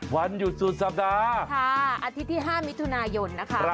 วันหยุดสุดสัปดาห์ค่ะอาทิตย์ที่๕มิถุนายนนะคะ